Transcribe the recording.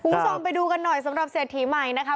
ครูส่องไปดูกันหน่อยสำหรับเศษถีใหม่นะคะ